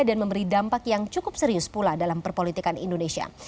dan memberi dampak yang cukup serius pula dalam perpolitikan indonesia